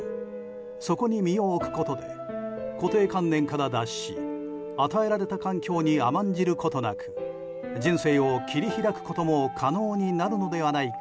そこに身を置くことで固定観念から脱し与えられた環境に甘んじることなく人生を切り開くことも可能になるのではないか。